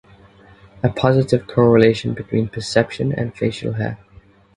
A positive correlation between perception and facial hair.